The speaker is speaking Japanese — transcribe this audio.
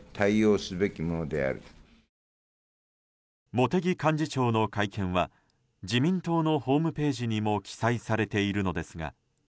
茂木幹事長の会見は自民党のホームページにも記載されているのですが。